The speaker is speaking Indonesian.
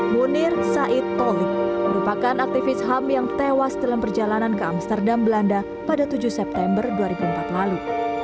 munir said tolik merupakan aktivis ham yang tewas dalam perjalanan ke amsterdam belanda pada tujuh september dua ribu empat lalu